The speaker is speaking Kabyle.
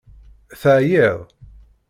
Teεyiḍ?